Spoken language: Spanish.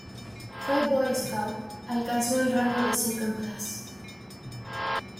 Fue boy scout, alcanzó el rango de Second class.